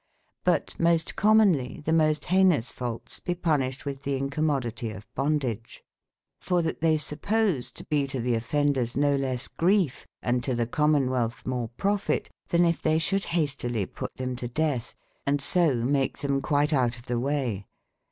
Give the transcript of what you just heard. Butmostecommenlye themoste heynous faultes be punyshed with the incommoditie of bondage, for that they suppose to be to the offenders no lesse grief e, & to the common wealth more profit, then yf they should hastely put them to death, & so make them quite 198 outof tbcwayc.